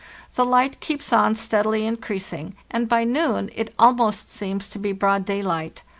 The light keeps on steadily increasing, and by noon it almost seems to be broad daylight.